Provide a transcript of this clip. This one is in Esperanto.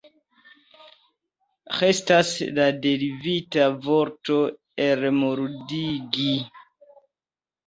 Restas la derivita vorto elmuldigi.